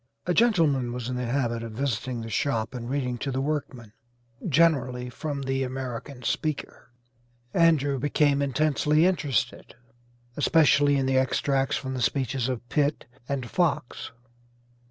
A gentleman was in the habit of visiting the shop and reading to the workmen, generally from the 'American Speaker.' Andrew became intensely interested, especially in the extracts from the speeches of Pitt and Fox.